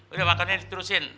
udah makanannya diturusin